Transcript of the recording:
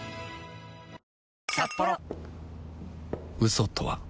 嘘とは